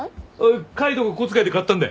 海斗が小遣いで買ったんだよ。